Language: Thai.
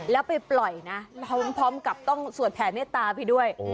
แล้วไปปล่อยนะพร้อมกับต้องสวดแผ่เมตตาไปด้วย